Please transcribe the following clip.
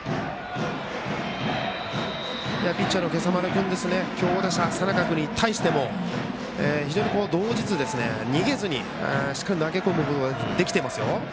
ピッチャーの今朝丸君強打者、佐仲君に対しても動じず逃げずにしっかりと投げ込むことができてますよ。